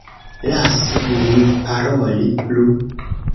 Lasu min paroli plu!